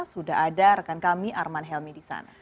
sudah ada rekan kami arman helmi di sana